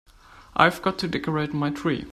I've got to decorate my tree.